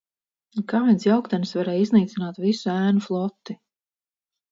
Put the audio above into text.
Kā viens jauktenis varēja iznīcināt visu Ēnu floti?